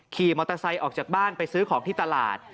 ขี่มอเตอร์ไซค์ออกจากบ้านไปซื้อของที่ตลาด